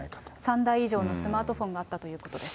３台以上のスマートフォンもあったということです。